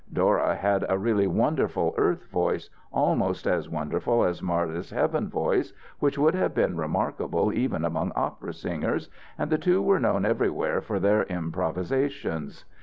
Dora had a really wonderful earth voice, almost as wonderful as Marda's heaven voice, which would have been remarkable even among opera singers, and the two were known everywhere for their improvisations.